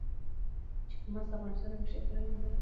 چار مغز د افغانستان د بشري فرهنګ یوه برخه ده.